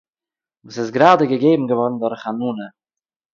וואָס איז גראַדע געגעבן געוואָרן דורך אַ נאָנע